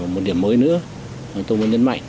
một điểm mới nữa tôi muốn nhấn mạnh